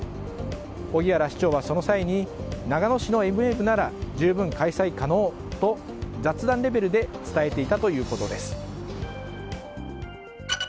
荻原市長は、その際に長野市のエムウェーブなら十分開催可能と雑談レベルで伝えていたということです。